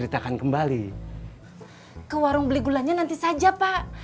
tolong beli gulanya nanti saja pak